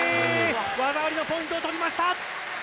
技ありのポイントを取りました！